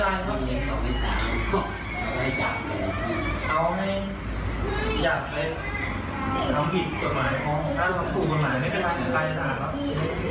เขาแม่งอยากให้ทำผิดคนหลายคนถ้าทำผิดคนหลายไม่ก็ได้แล้วนะครับ